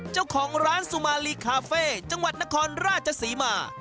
เจ้าของร้านสุมาลีคาเฟ่จังหวัดนครราชศรีมา